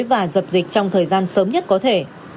và dập dịch trong thời gian sớm nhất có thể